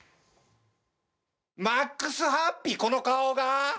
マックスハッピーこの顔が？